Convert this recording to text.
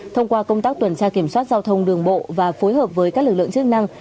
thông qua công tác tuần tra kiểm soát giao thông đường bộ và phối hợp với các lực lượng chức năng